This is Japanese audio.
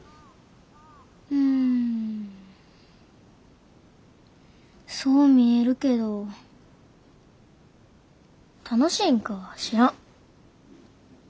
うんそう見えるけど楽しいんかは知らん。